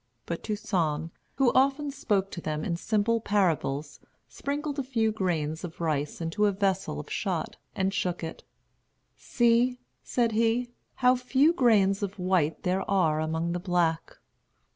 But Toussaint, who often spoke to them in simple parables, sprinkled a few grains of rice into a vessel of shot, and shook it. "See," said he, "how few grains of white there are among the black."